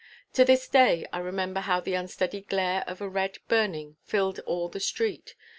To this day I remember how the unsteady glare of a red burning filled all the street.